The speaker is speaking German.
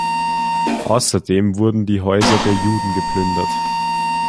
Außerdem wurden die Häuser der Juden geplündert.